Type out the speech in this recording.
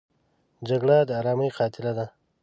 جګړه د آرامۍ قاتله ده